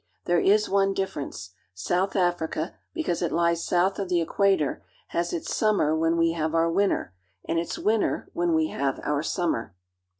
There is one difference : South Africa, because it lies south of the equator, has its summer when we have our winter, and its winter when we have our summer.